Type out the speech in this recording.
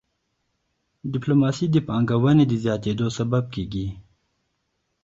ډيپلوماسي د پانګوني د زیاتيدو سبب کېږي.